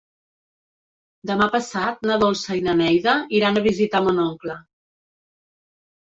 Demà passat na Dolça i na Neida iran a visitar mon oncle.